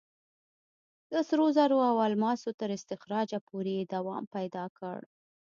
د سرو زرو او الماسو تر استخراجه پورې یې دوام پیدا کړ.